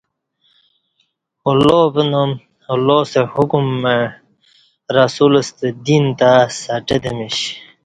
اللہ پنام اللہ ستہ حکم مع رسولہ ستہ دین تہ سہٹہ تمیش ۔